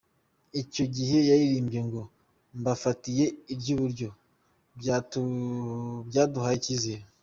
Icyo gihe yaririmbye ngo ‘Mbafatiye iry’uburyo’, byaduhaye icyizere.